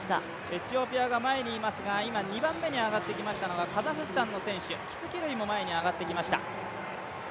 エチオピアが前にいますが今、２番目に上がってきたのがカザフスタンの選手、キプキルイも前に上がってきました。